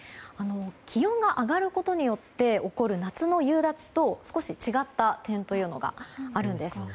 気温が上がることによって起こる夏の夕立と少し違った点があるんです。